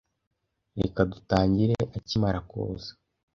Reka dutangire akimara kuza.